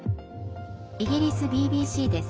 イギリスＢＢＣです。